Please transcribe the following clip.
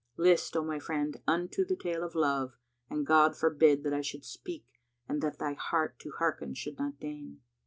List, O my friend, unto the tale of love, and God forbid That I should speak and that thy heart to hearken should not deign!